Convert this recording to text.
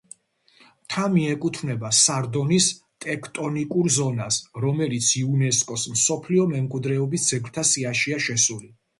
მთა მიეკუთვნება სარდონის ტექტონიკურ ზონას, რომელიც იუნესკოს მსოფლიო მემკვიდრეობის ძეგლთა სიაშია შესული.